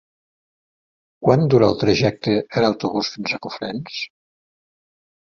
Quant dura el trajecte en autobús fins a Cofrents?